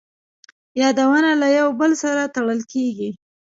یادونه له یو بل سره تړل کېږي.